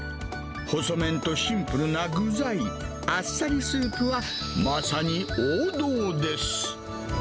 細麺とシンプルな具材、あっさりスープは、まさに王道です。